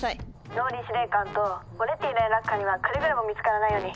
「ＲＯＬＬＹ司令官とモレッティ連絡官にはくれぐれも見つからないように」。